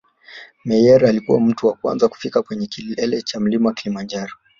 Meyer alikuwa mtu wa kwanza kufika kwenye kilele cha mlima kilimanjaro